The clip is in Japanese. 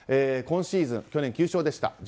今シーズン、去年９勝でした。